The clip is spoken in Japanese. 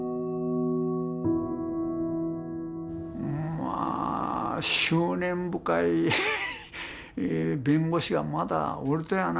まあ執念深い弁護士がまだおるとやな。